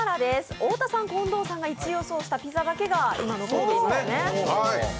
太田さん、近藤さんの予想したピザだけが残っています。